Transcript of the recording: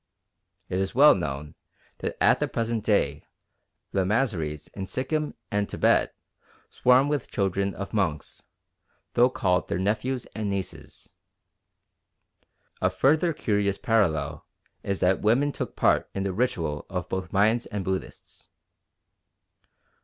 It is well known that at the present day Lamaseries in Sikkim and Thibet swarm with children of monks, though called their nephews and nieces." A further curious parallel is that women took part in the ritual of both Mayans and Buddhists.